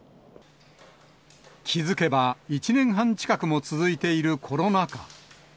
気付けば１年半近くも続いているコロナ禍。